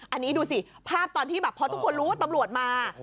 อันนี้ดูสิภาพตอนที่แบบพอทุกคนรู้ว่าตำรวจมา